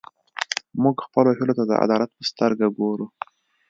موږ خپلو هیلو ته د عدالت په سترګه ګورو.